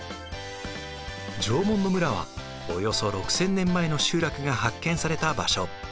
縄文の村はおよそ６，０００年前の集落が発見された場所。